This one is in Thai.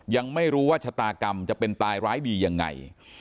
ยังไม่รู้ว่าชะตากรรมจะเป็นตายร้ายดียังไง